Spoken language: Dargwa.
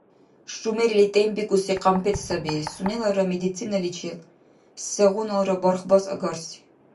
Шумерила тӀембикӀуси къампетӀ саби, сунелара медициналичил сегъуналра бархбас агарси.